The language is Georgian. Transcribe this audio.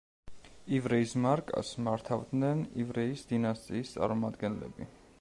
ივრეის მარკას მართავდნენ ივრეის დინასტიის წარმომადგენლები.